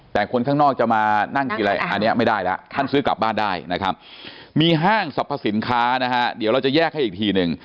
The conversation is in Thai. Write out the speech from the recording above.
แต่คนข้างนอกจะมานั่งทีไรอันนี้ไม่ได้แล้วท่านซื้อกลับบ้านได้นะครับมีห้างสรรพสินค้านะฮะเดี๋ยวเราจะแยกให้อีกทีหนึ่ง